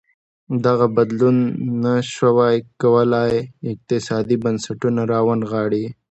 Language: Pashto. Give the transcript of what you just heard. دغه بدلون نه ش وای کولی اقتصادي بنسټونه راونغاړي.